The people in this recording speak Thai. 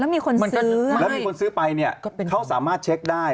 แล้วมีคนซื้อแล้วมีคนซื้อไปเขาสามารถเช็คได้